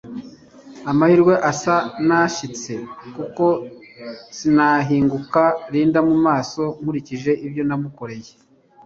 amahirwe asa nanshitse kuko sinahinguka Linda mu maso nkurikije ibyo namukoreye